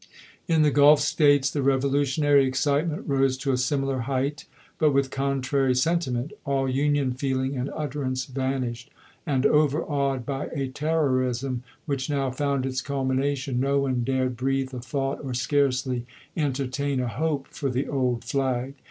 In the Gulf States the revolutionary excitement rose to a similar height, but with contrary senti ment. All Union feeling and utterance vanished ; and, overawed by a terrorism which now found its culmination, no one dared breathe a thought or scarcely entertain a hope for the old flag.